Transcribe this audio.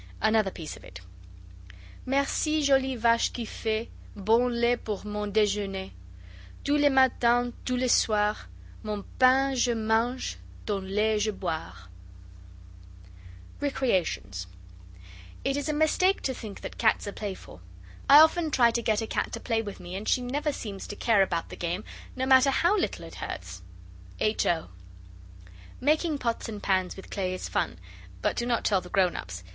Another piece of it Mercie jolie vache qui fait Bon lait pour mon dejeuner Tous les matins tous les soirs Mon pain je mange, ton lait je boire. RECREATIONS It is a mistake to think that cats are playful. I often try to get a cat to play with me, and she never seems to care about the game, no matter how little it hurts. H. O. Making pots and pans with clay is fun, but do not tell the grown ups.